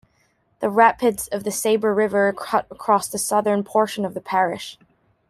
The rapids of the Sabor River cut across the southern portion of the parish.